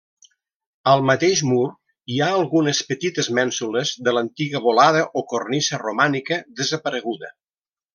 Al mateix mur hi ha algunes petites mènsules de l'antiga volada o cornisa romànica, desapareguda.